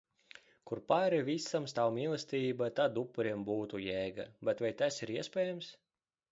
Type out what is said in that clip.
Kur pāri visam stāv mīlestība, tad upuriem būtu jēga. Bet vai tas ir iespējams?